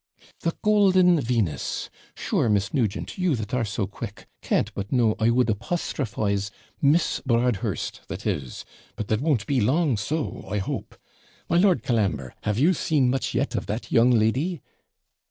'The golden Venus! Sure, Miss Nugent, you, that are so quick, can't but know I would apostrophise Miss Broadhurst that is, but that won't be long so, I hope. My Lord Colambre, have you seen much yet of that young lady?'